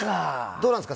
どうなんですか？